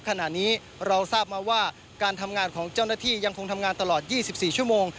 ขณะนี้เราทราบมาว่าการทำงานของเจ้าหน้าที่ยังคงทำงานตลอด๒๔ชั่วโมง